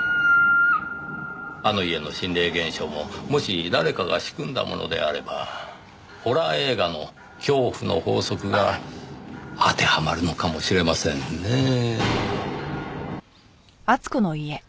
「」あの家の心霊現象ももし誰かが仕組んだものであればホラー映画の恐怖の法則が当てはまるのかもしれませんねぇ。